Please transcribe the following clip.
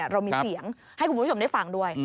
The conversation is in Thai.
เรามีเสียงให้คุณผู้ชมได้ฟังด้วย